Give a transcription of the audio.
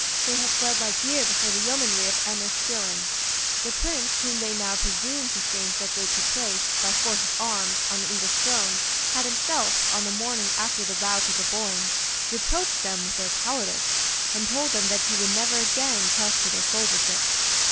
They had fled like deer before the yeomanry of Enniskillen. The Prince whom they now presumed to think that they could place, by force of arms, on the English throne, had himself, on the morning after the rout of the Boyne, reproached them with their cowardice, and told them that he would never again trust to their soldiership.